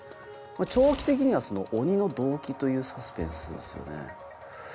長期的には鬼の動機というサスペンスですよね。